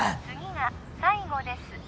次が最後です